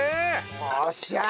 よっしゃー！